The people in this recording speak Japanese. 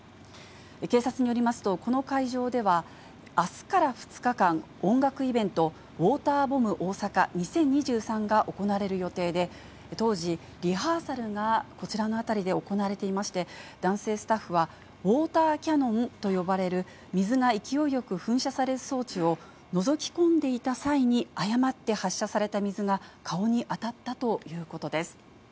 警察によりますと、この会場では、あすから２日間、音楽イベント、ウォーターボムオオサカ２０２３が行われる予定で、当時、リハーサルがこちらの辺りで行われていまして、男性スタッフは、ウォーターキャノンと呼ばれる、水が勢いよく噴射される装置をのぞき込んでいた際に、誤って発射された水が顔に当たったということです。